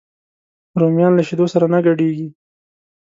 رومیان له شیدو سره نه ګډېږي